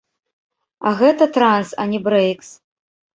А гэта транс, а не брэйкс.